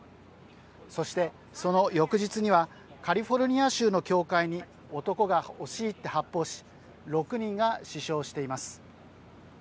そして、その翌日にはカリフォルニア州の教会に男が押し入って発砲し６人が死傷しています。